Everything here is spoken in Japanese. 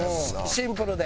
シンプルで。